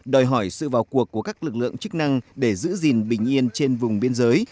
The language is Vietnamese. đòi hỏi sự vào cuộc của các lực lượng chức năng để giữ gìn bình yên trên vùng biên giới